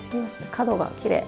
角がきれい。